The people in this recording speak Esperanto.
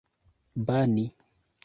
bani